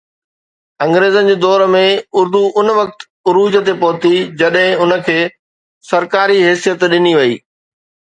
انگريزن جي دور ۾ اردو ان وقت عروج تي پهتي، جڏهن ان کي سرڪاري حيثيت ڏني وئي.